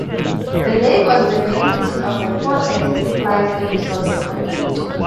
The lake was the main setting of the fourth X-Files episode, The Conduit.